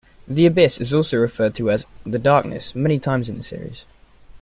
The Abyss is also referred to as "the Darkness" many times in the series.